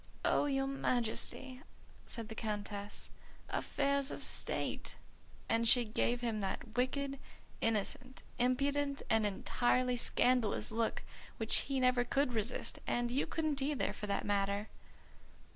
"Oh, your Majesty," said the Countess, "affairs of state," and she gave him that wicked, innocent, impudent, and entirely scandalous look which he never could resist, and you couldn't either for that matter.